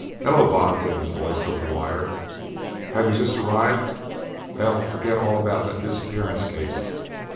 "Hello, Bond," came his voice over the wire, "have you just arrived? Well, forget all about that disappearance case.